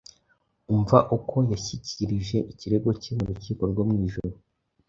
Umva uko yashyikirije ikirego cye mu rukiko rwo mu ijuru: